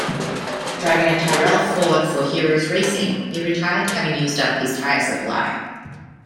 Driving a Tyrrell-Ford for Heros Racing, he retired having used up his tyre supply.